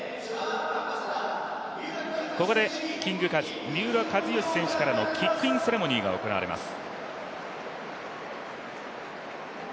ここでキングカズ三浦知良さんからのキックインセレモニーが行われます。